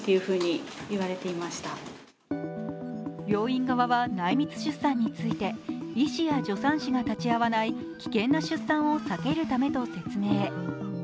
病院側は、内密出産について医師や助産師が立ち会わない危険な出産を避けるためと説明。